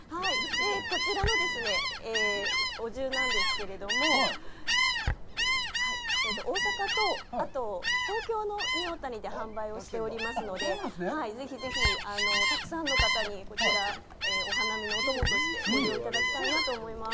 こちらのお重なんですけれども、大阪と東京のニューオータニで販売しておりますので、ぜひぜひ、たくさんの方にこちら、お花見のお供としてご利用していただきたいと思います。